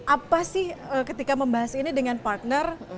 apa sih ketika membahas ini dengan partner